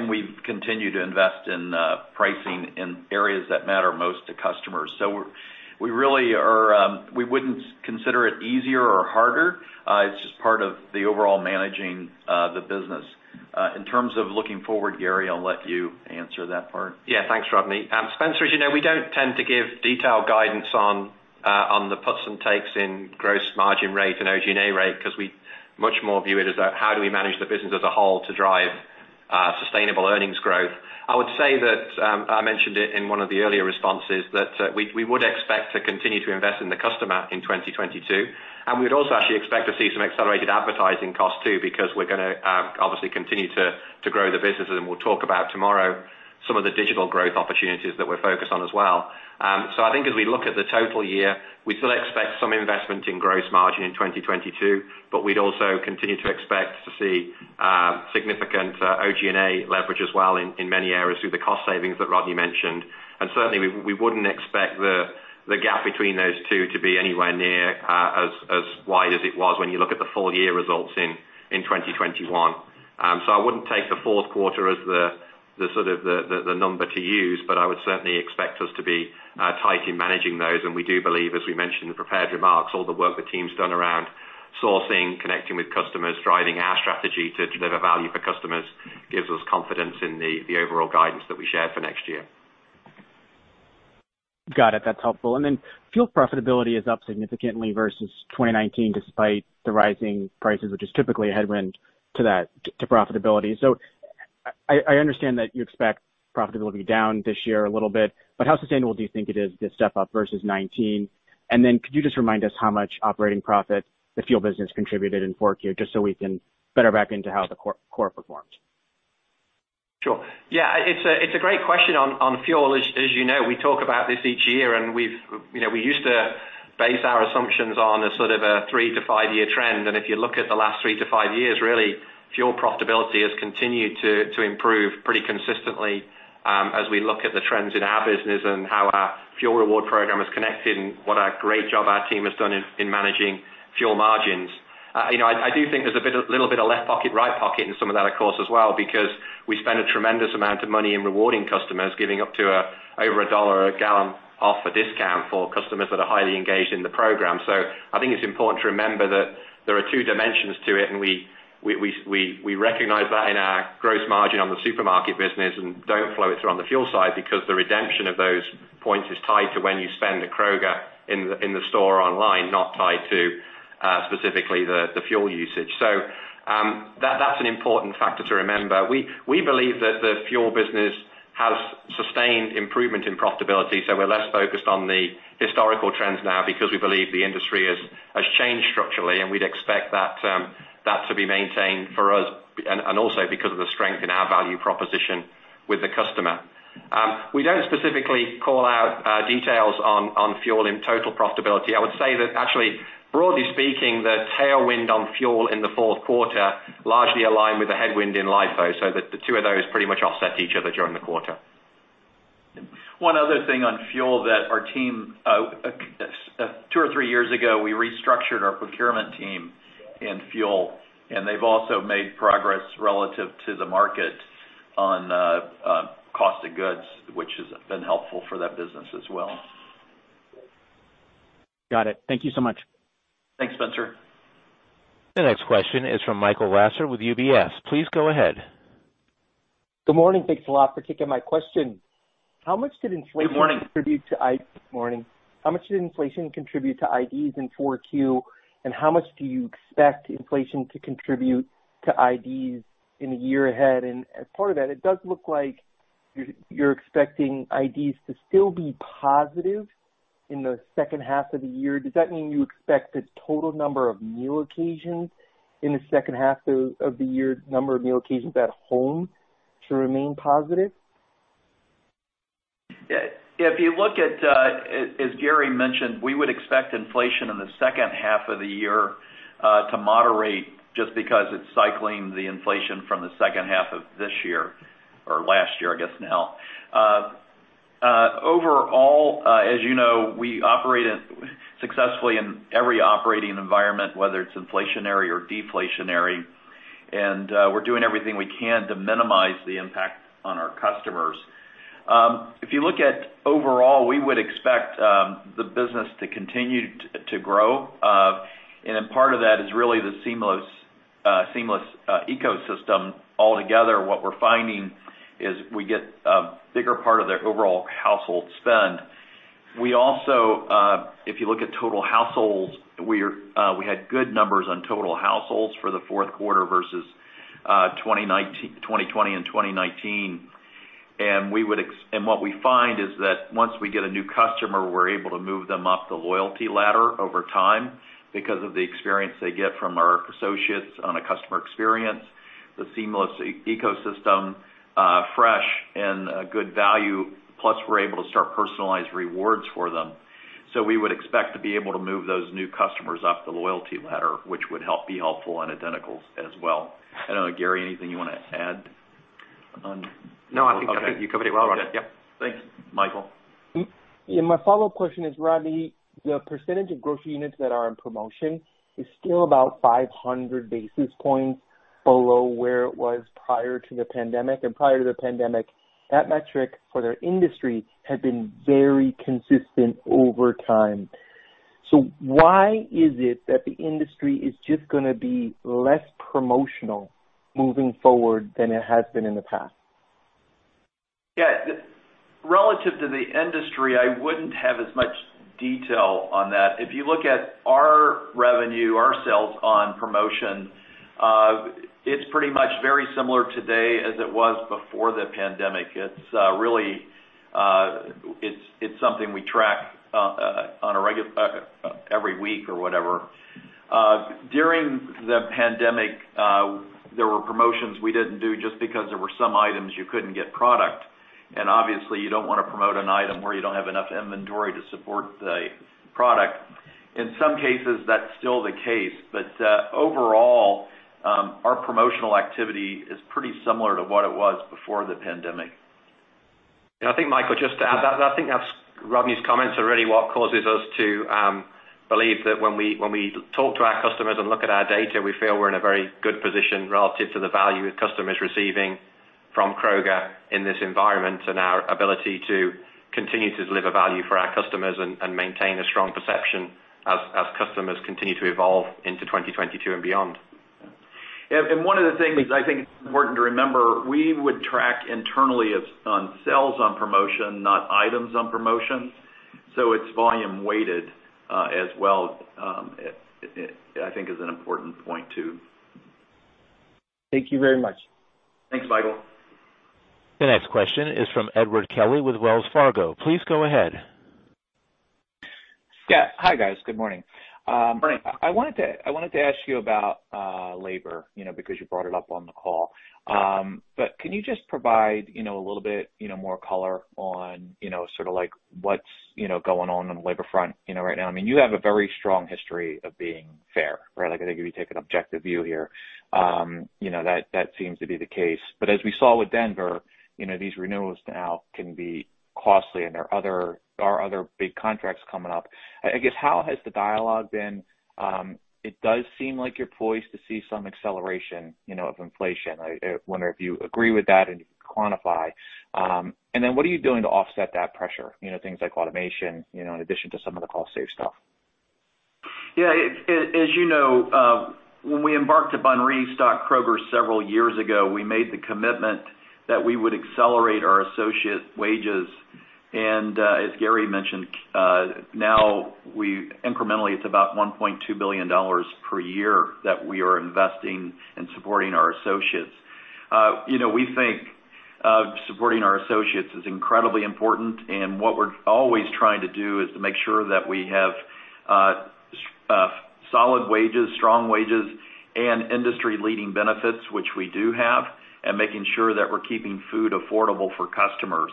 We've continued to invest in pricing in areas that matter most to customers. We really are, we wouldn't consider it easier or harder. It's just part of the overall managing the business. In terms of looking forward, Gary, I'll let you answer that part. Yeah. Thanks, Rodney. Spencer, as you know, we don't tend to give detailed guidance on the puts and takes in gross margin rate and OG&A rate 'cause we much more view it as how do we manage the business as a whole to drive sustainable earnings growth? I would say that I mentioned it in one of the earlier responses, that we would expect to continue to invest in the customer in 2022, and we'd also actually expect to see some accelerated advertising costs too, because we're gonna obviously continue to grow the business. We'll talk about tomorrow some of the digital growth opportunities that we're focused on as well. I think as we look at the total year, we still expect some investment in gross margin in 2022, but we'd also continue to expect to see significant OG&A leverage as well in many areas through the cost savings that Rodney mentioned. Certainly we wouldn't expect the gap between those two to be anywhere near as wide as it was when you look at the full year results in 2021. I wouldn't take the fourth quarter as the sort of number to use, but I would certainly expect us to be tightly managing those. We do believe, as we mentioned in the prepared remarks, all the work the team's done around sourcing, connecting with customers, driving our strategy to deliver value for customers gives us confidence in the overall guidance that we share for next year. Got it. That's helpful. Fuel profitability is up significantly versus 2019 despite the rising prices, which is typically a headwind to that profitability. I understand that you expect profitability down this year a little bit, but how sustainable do you think it is, this step up versus 2019? Could you just remind us how much operating profit the fuel business contributed in fourth quarter, just so we can better back into how the core performed? Sure. Yeah, it's a great question on fuel. As you know, we talk about this each year, and we've, you know, we used to base our assumptions on a sort of a three- to fivve-year trend. If you look at the last three to five years, really fuel profitability has continued to improve pretty consistently, as we look at the trends in our business and how our fuel reward program has connected and what a great job our team has done in managing fuel margins. You know, I do think there's a little bit of left pocket, right pocket in some of that, of course, as well, because we spend a tremendous amount of money in rewarding customers, giving up to over $1 a gallon off a discount for customers that are highly engaged in the program. I think it's important to remember that there are two dimensions to it, and we recognize that in our gross margin on the supermarket business and don't flow it through on the fuel side because the redemption of those points is tied to when you spend at Kroger in the store online, not tied to specifically the fuel usage. That's an important factor to remember. We believe that the fuel business has sustained improvement in profitability, so we're less focused on the historical trends now because we believe the industry has changed structurally, and we'd expect that to be maintained for us, and also because of the strength in our value proposition with the customer. We don't specifically call out details on fuel in total profitability. I would say that actually, broadly speaking, the tailwind on fuel in the fourth quarter largely aligned with the headwind in LIFO, so the two of those pretty much offset each other during the quarter. One other thing on fuel that our team, two or three years ago, we restructured our procurement team in fuel, and they've also made progress relative to the market on cost of goods, which has been helpful for that business as well. Got it. Thank you so much. Thanks, Spencer. The next question is from Michael Lasser with UBS. Please go ahead. Good morning. Thanks a lot for taking my question. Good morning. How much did inflation contribute to IDs in 4Q, and how much do you expect inflation to contribute to IDs in the year ahead? As part of that, it does look like you're expecting IDs to still be positive in the second half of the year. Does that mean you expect the total number of meal occasions in the second half of the year, number of meal occasions at home to remain positive? If you look at, as Gary mentioned, we would expect inflation in the second half of the year to moderate just because it's cycling the inflation from the second half of this year or last year, I guess now. Overall, as you know, we operate successfully in every operating environment, whether it's inflationary or deflationary, and we're doing everything we can to minimize the impact on our customers. If you look at overall, we would expect the business to continue to grow. Then part of that is really the seamless ecosystem altogether. What we're finding is we get a bigger part of their overall household spend. We also, if you look at total households, we had good numbers on total households for the fourth quarter versus 2020 and 2019. What we find is that once we get a new customer, we're able to move them up the loyalty ladder over time because of the experience they get from our associates on a customer experience, the seamless ecosystem, fresh and good value, plus we're able to start personalized rewards for them. We would expect to be able to move those new customers up the loyalty ladder, which would be helpful on identicals as well. I don't know, Gary, anything you wanna add on? No, I think you covered it well, Rodney. Yep. Thanks, Michael. Yeah, my follow-up question is, Rodney, the percentage of grocery units that are in promotion is still about 500 basis points below where it was prior to the pandemic. Prior to the pandemic, that metric for their industry had been very consistent over time. Why is it that the industry is just gonna be less promotional moving forward than it has been in the past? Yeah. Relative to the industry, I wouldn't have as much detail on that. If you look at our revenue, our sales on promotion, it's pretty much very similar today as it was before the pandemic. It's really something we track every week or whatever. During the pandemic, there were promotions we didn't do just because there were some items you couldn't get product. Obviously you don't want to promote an item where you don't have enough inventory to support the product. In some cases, that's still the case. Overall, our promotional activity is pretty similar to what it was before the pandemic. I think, Michael, just to add that, I think that's Rodney's comments are really what causes us to believe that when we talk to our customers and look at our data, we feel we're in a very good position relative to the value customers receiving from Kroger in this environment and our ability to continue to deliver value for our customers and maintain a strong perception as customers continue to evolve into 2022 and beyond. One of the things I think it's important to remember, we would track internally on sales on promotion, not items on promotion. It's volume weighted, as well, I think is an important point too. Thank you very much. Thanks, Michael. The next question is from Edward Kelly with Wells Fargo. Please go ahead. Yeah. Hi, guys. Good morning. Morning. I wanted to ask you about labor, you know, because you brought it up on the call. Can you just provide, you know, a little bit, you know, more color on, you know, sort of like what's, you know, going on on the labor front, you know, right now? I mean, you have a very strong history of being fair, right? Like, I think if you take an objective view here, you know, that seems to be the case. As we saw with Denver, you know, these renewals now can be costly, and there are other big contracts coming up. I guess, how has the dialog been? It does seem like you're poised to see some acceleration, you know, of inflation. I wonder if you agree with that and you quantify. What are you doing to offset that pressure? You know, things like automation, you know, in addition to some of the cost save stuff. Yeah. As you know, when we embarked upon Restock Kroger several years ago, we made the commitment that we would accelerate our associate wages. As Gary mentioned, now incrementally, it's about $1.2 billion per year that we are investing in supporting our associates. You know, we think supporting our associates is incredibly important. What we're always trying to do is to make sure that we have solid wages, strong wages, and industry-leading benefits, which we do have, and making sure that we're keeping food affordable for customers.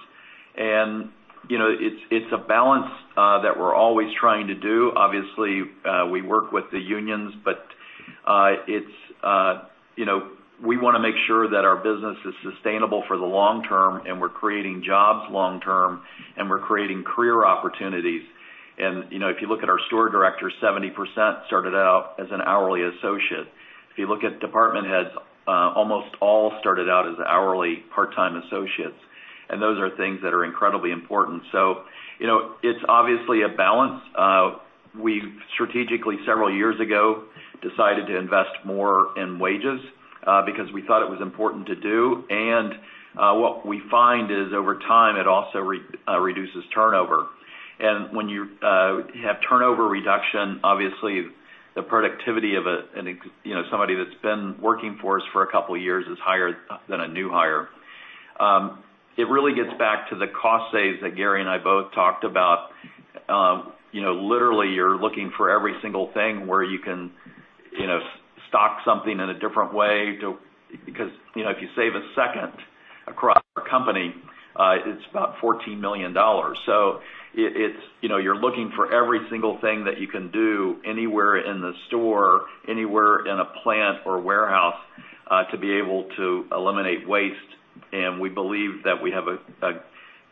You know, it's a balance that we're always trying to do. Obviously, we work with the unions, but, it's, you know, we want to make sure that our business is sustainable for the long term, and we're creating jobs long term, and we're creating career opportunities. You know, if you look at our store directors, 70% started out as an hourly associate. If you look at department heads, almost all started out as hourly part-time associates. Those are things that are incredibly important. You know, it's obviously a balance. We strategically several years ago decided to invest more in wages, because we thought it was important to do. What we find is over time, it also reduces turnover. When you have turnover reduction, obviously the productivity of you know, somebody that's been working for us for a couple of years is higher than a new hire. It really gets back to the cost saves that Gary and I both talked about. You know, literally, you're looking for every single thing where you can you know, stock something in a different way because if you save a second across our company, it's about $14 million. It's you know, you're looking for every single thing that you can do anywhere in the store, anywhere in a plant or warehouse to be able to eliminate waste. We believe that we have a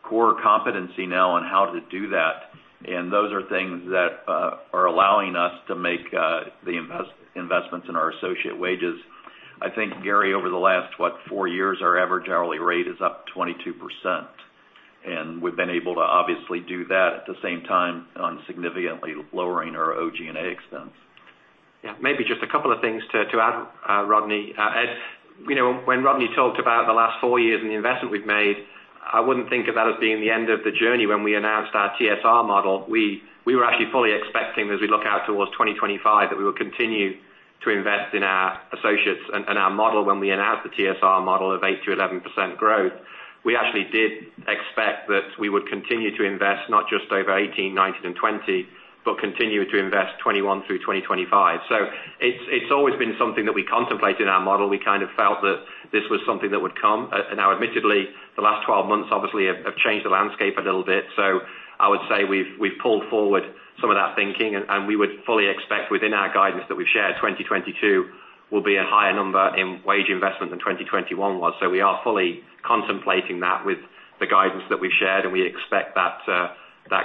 core competency now on how to do that. Those are things that are allowing us to make the investments in our associate wages. I think, Gary, over the last, what, four years, our average hourly rate is up 22%, and we've been able to obviously do that at the same time on significantly lowering our OG&A expense. Yeah. Maybe just a couple of things to add, Rodney. Ed, you know, when Rodney talked about the last four years and the investment we've made, I wouldn't think of that as being the end of the journey when we announced our TSR model. We were actually fully expecting as we look out towards 2025, that we will continue to invest in our associates and our model when we announced the TSR model of 8%-11% growth. We actually did expect that we would continue to invest not just over 2018, 2019, and 2020, but continue to invest 2021 through 2025. It's always been something that we contemplate in our model. We kind of felt that this was something that would come. Now, admittedly, the last 12 months obviously have changed the landscape a little bit. I would say we've pulled forward some of that thinking, and we would fully expect within our guidance that we've shared, 2022 will be a higher number in wage investment than 2021 was. We are fully contemplating that with the guidance that we've shared, and we expect that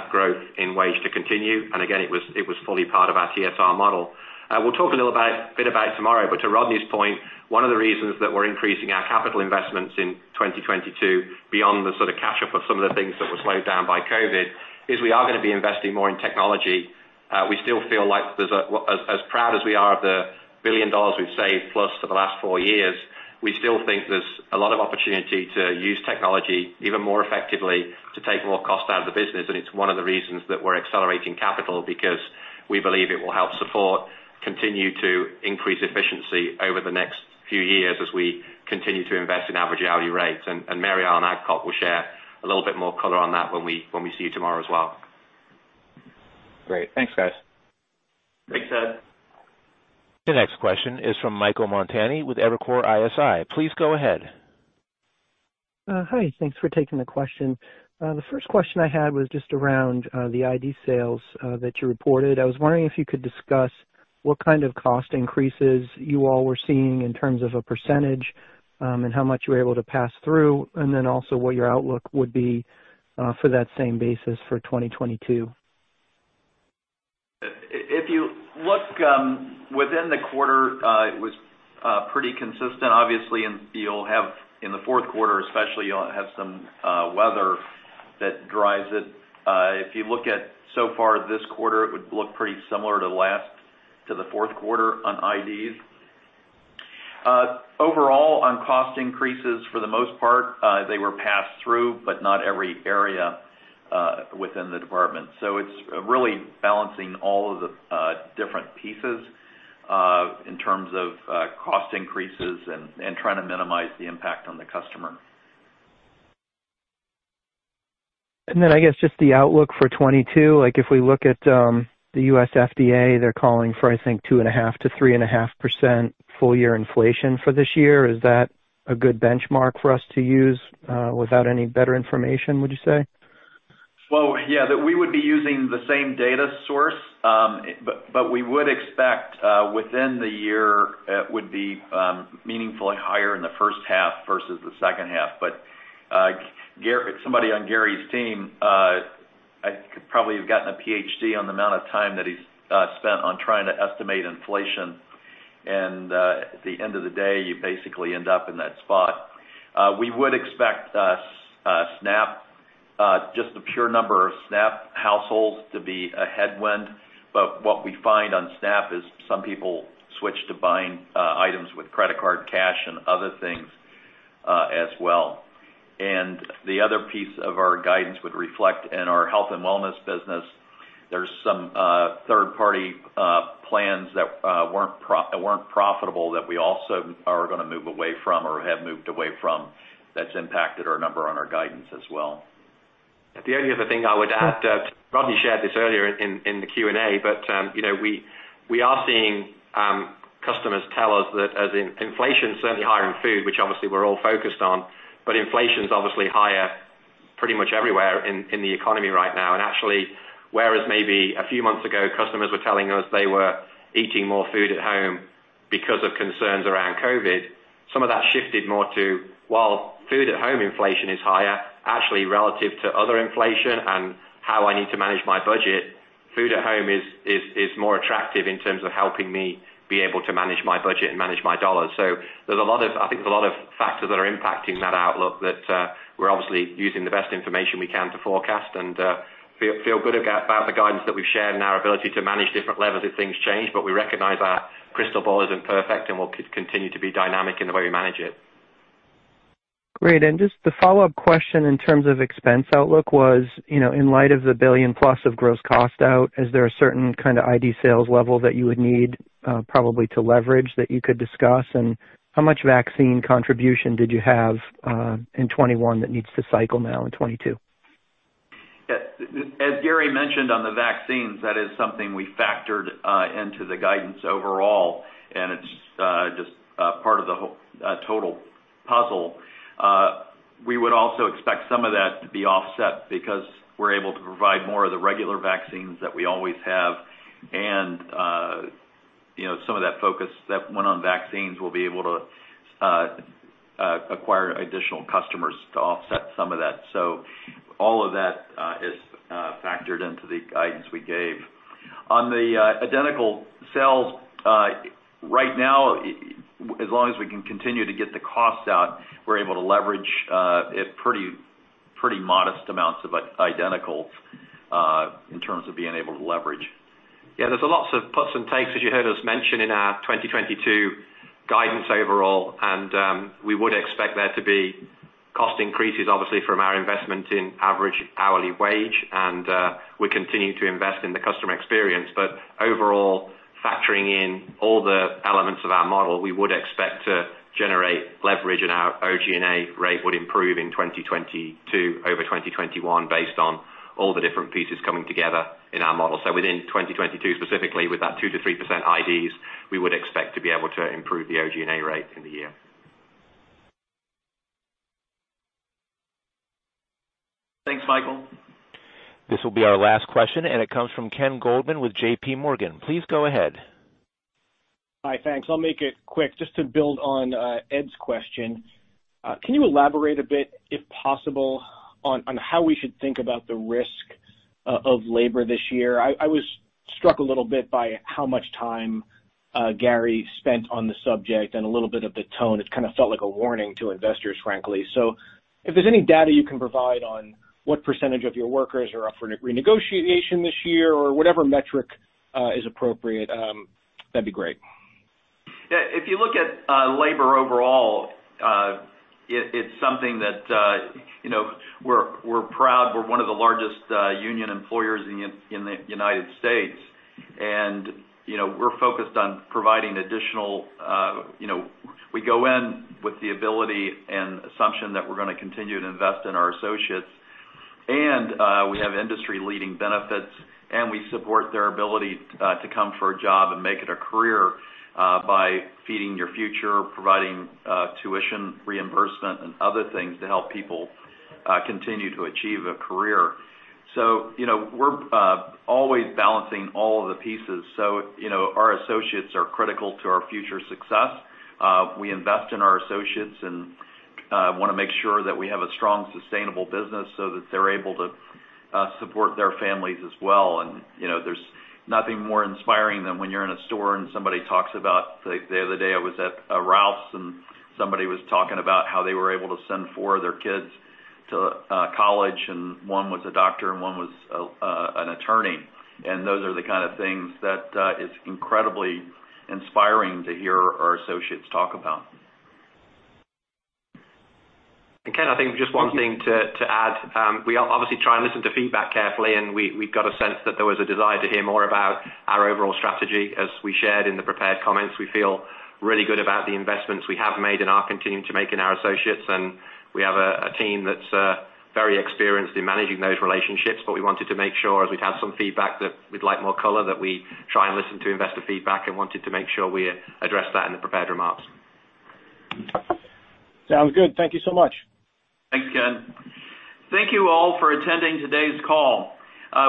growth in wage to continue. Again, it was fully part of our TSR model. We'll talk a little about it tomorrow. To Rodney's point, one of the reasons that we're increasing our capital investments in 2022 beyond the sort of catch up of some of the things that were slowed down by COVID, is we are gonna be investing more in technology. We still feel like, as proud as we are of the $1 billion we've saved plus for the last four years, we still think there's a lot of opportunity to use technology even more effectively to take more cost out of the business. It's one of the reasons that we're accelerating capital because we believe it will help support, continue to increase efficiency over the next few years as we continue to invest in average hourly rates. Mary Ellen Adcock will share a little bit more color on that when we see you tomorrow as well. Great. Thanks, guys. Thanks, Ed. The next question is from Michael Montani with Evercore ISI. Please go ahead. Hi. Thanks for taking the question. The first question I had was just around the IDs that you reported. I was wondering if you could discuss what kind of cost increases you all were seeing in terms of a percentage, and how much you were able to pass through, and then also what your outlook would be for that same basis for 2022. If you look within the quarter, it was pretty consistent, obviously, and in the fourth quarter especially, you'll have some weather that drives it. If you look at so far this quarter, it would look pretty similar to the fourth quarter on IDs. Overall, on cost increases for the most part, they were passed through, but not every area within the department. It's really balancing all of the different pieces in terms of cost increases and trying to minimize the impact on the customer. Then I guess just the outlook for 2022, like if we look at the USDA, they're calling for, I think, 2.5%-3.5% full year inflation for this year. Is that a good benchmark for us to use without any better information, would you say? Well, yeah, that we would be using the same data source, but we would expect, within the year, it would be meaningfully higher in the first half versus the second half. Somebody on Gary's team, I could probably have gotten a PhD on the amount of time that he's spent on trying to estimate inflation. At the end of the day, you basically end up in that spot. We would expect SNAP just the pure number of SNAP households to be a headwind. What we find on SNAP is some people switch to buying items with credit card, cash, and other things as well. The other piece of our guidance would reflect in our health and wellness business. There's some third-party plans that weren't profitable that we also are gonna move away from or have moved away from. That's impacted our number on our guidance as well. The only other thing I would add, Rodney shared this earlier in the Q&A, but you know, we are seeing customers tell us that inflation is certainly higher in food, which obviously we're all focused on, but inflation's obviously higher pretty much everywhere in the economy right now. Actually, whereas maybe a few months ago, customers were telling us they were eating more food at home because of concerns around COVID, some of that shifted more to while food at home inflation is higher, actually relative to other inflation and how I need to manage my budget, food at home is more attractive in terms of helping me be able to manage my budget and manage my dollars. I think there's a lot of factors that are impacting that outlook that we're obviously using the best information we can to forecast and feel good about the guidance that we've shared and our ability to manage different levers if things change. We recognize our crystal ball isn't perfect and we'll continue to be dynamic in the way we manage it. Great. Just the follow-up question in terms of expense outlook was, you know, in light of the $1+ billion of gross cost out, is there a certain kind of IDs level that you would need, probably to leverage that you could discuss? How much vaccine contribution did you have in 2021 that needs to cycle now in 2022? As Gary mentioned on the vaccines, that is something we factored into the guidance overall, and it's just part of the total puzzle. We would also expect some of that to be offset because we're able to provide more of the regular vaccines that we always have and, you know, some of that focus that went on vaccines, we'll be able to acquire additional customers to offset some of that. All of that is factored into the guidance we gave. On the identical sales, right now, as long as we can continue to get the costs out, we're able to leverage a pretty modest amounts of identical sales in terms of being able to leverage. Yeah, there's lots of plus and takes, as you heard us mention in our 2022 guidance overall, and we would expect there to be cost increases, obviously, from our investment in average hourly wage, and we continue to invest in the customer experience. Overall, factoring in all the elements of our model, we would expect to generate leverage and our OG&A rate would improve in 2022 over 2021 based on all the different pieces coming together in our model. Within 2022, specifically with that 2%-3% IDs, we would expect to be able to improve the OG&A rate in the year. Thanks, Michael. This will be our last question, and it comes from Ken Goldman with JPMorgan. Please go ahead. Hi. Thanks. I'll make it quick. Just to build on Ed's question. Can you elaborate a bit, if possible, on how we should think about the risk of labor this year? I was struck a little bit by how much time Gary spent on the subject and a little bit of the tone. It's kinda felt like a warning to investors, frankly. If there's any data you can provide on what percentage of your workers are up for renegotiation this year or whatever metric is appropriate, that'd be great. Yeah, if you look at labor overall, it's something that you know, we're proud. We're one of the largest union employers in the United States. You know, we go in with the ability and assumption that we're gonna continue to invest in our associates. We have industry-leading benefits, and we support their ability to come for a job and make it a career by Feed Your Future, providing tuition reimbursement and other things to help people continue to achieve a career. You know, we're always balancing all of the pieces. You know, our associates are critical to our future success. We invest in our associates, and wanna make sure that we have a strong, sustainable business so that they're able to support their families as well. You know, there's nothing more inspiring than when you're in a store and somebody talks about the other day I was at a Ralphs, and somebody was talking about how they were able to send four of their kids to college, and one was a doctor and one was an attorney. Those are the kind of things that it's incredibly inspiring to hear our associates talk about. Ken, I think just one thing to add. We obviously try and listen to feedback carefully, and we got a sense that there was a desire to hear more about our overall strategy. As we shared in the prepared comments, we feel really good about the investments we have made and are continuing to make in our associates. We have a team that's very experienced in managing those relationships. We wanted to make sure, as we've had some feedback that we'd like more color, that we try and listen to investor feedback and wanted to make sure we addressed that in the prepared remarks. Sounds good. Thank you so much. Thanks, Ken. Thank you all for attending today's call.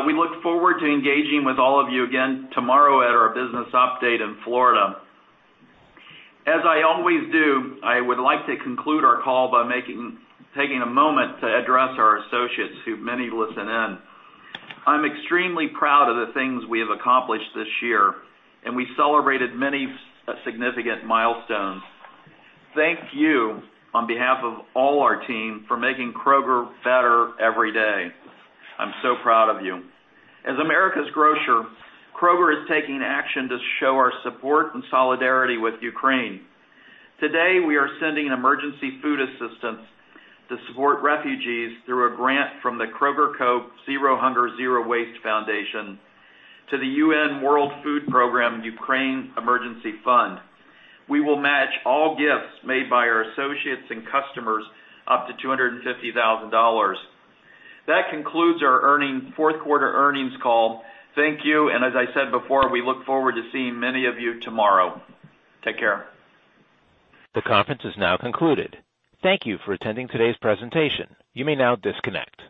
We look forward to engaging with all of you again tomorrow at our business update in Florida. As I always do, I would like to conclude our call by taking a moment to address our associates who may listen in. I'm extremely proud of the things we have accomplished this year, and we celebrated many significant milestones. Thank you on behalf of all our team for making Kroger better every day. I'm so proud of you. As America's grocer, Kroger is taking action to show our support and solidarity with Ukraine. Today, we are sending emergency food assistance to support refugees through a grant from The Kroger Co. Zero Hunger | Zero Waste Foundation to the UN World Food Programme Ukraine Emergency Fund. We will match all gifts made by our associates and customers up to $250,000. That concludes our fourth quarter earnings call. Thank you. We look forward to seeing many of you tomorrow. Take care. The conference is now concluded. Thank you for attending today's presentation. You may now disconnect.